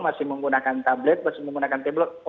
masih menggunakan tablet masih menggunakan tablet online